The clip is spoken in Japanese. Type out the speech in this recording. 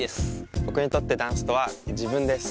僕にとってダンスとは自分です。